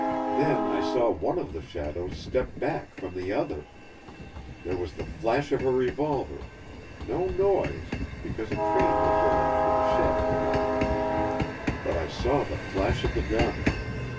Then I saw one of the shadows step back from the other. There was the flash of a revolver no noise, because a train was rolling under the shed at the moment. But I saw the flash of the gun.